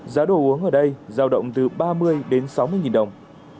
giá đồ uống ở đây giao động từ ba mươi đến sáu mươi nghìn đồng